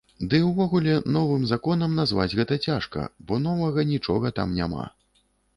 Ды і ўвогуле, новым законам назваць гэта цяжка, бо новага нічога там няма.